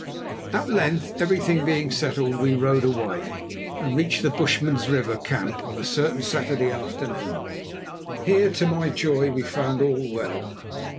At length, everything being settled, we rode away, and reached the Bushman's River camp on a certain Saturday afternoon. Here, to my joy, we found all well.